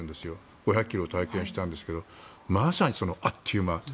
５００ｋｍを体験したんですがまさにあっという間。